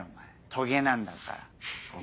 トゲなんだから。